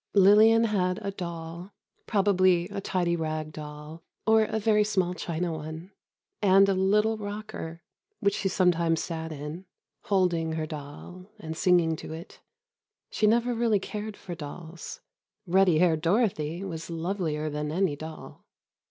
Lillian had a doll, probably a tidy rag doll, or a very small china one, and a little rocker, which she sometimes sat in, holding her doll and singing to it. She never really cared for dolls. Ruddy haired Dorothy was lovelier than any doll.